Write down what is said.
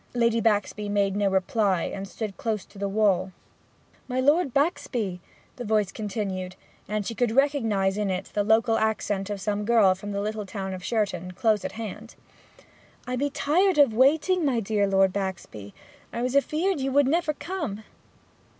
Lady Baxby made no reply, and stood close to the wall. 'My Lord Baxby,' the voice continued; and she could recognize in it the local accent of some girl from the little town of Sherton, close at hand. 'I be tired of waiting, my dear Lord Baxby! I was afeard you would never come!'